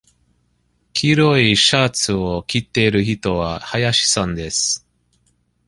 黄色いシャツを着ている人は林さんです。